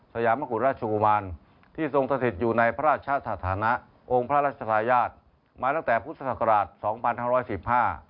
สยามคุณราชชุโกมานที่ทรงสถิตอยู่ในพระราชชาติสถานะองค์พระราชชายาติมาตั้งแต่พุทธศักราช